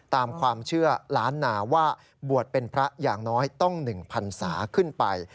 ตามความเชื่อล้านนาว่าบวชเป็นพระอย่างน้อยต้อง๑พันศาขึ้นไป